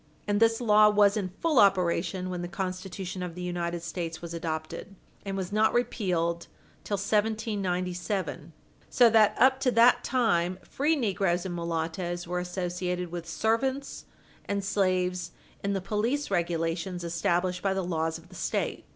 And this law was in full operation when the Constitution of the United States was adopted, and was not repealed till 1797. So that, up to that time, free negroes and mulattoes were associated with servants and slaves in the police regulations established by the laws of the State.